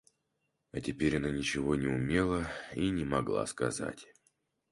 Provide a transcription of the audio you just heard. А теперь она ничего не умела и не могла сказать.